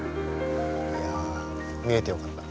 いや見れてよかった。